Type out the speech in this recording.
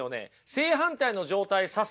正反対の状態指すもの